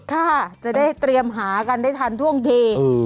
ค่ะจะได้เตรียมหากันได้ทันท่วงที